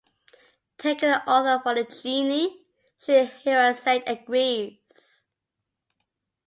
Taking the author for a genie, Scheherazade agrees.